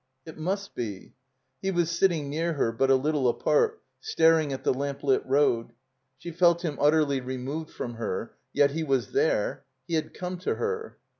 ''It must be.'' He was sitting near her but a little apart, staring at the lamp lit road. She felt him utterly removed from her. Yet he was there. He had come to her.